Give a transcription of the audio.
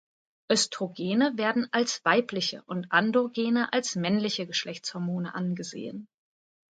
Östrogene werden als weibliche und Androgene als männliche Geschlechtshormone angesehen.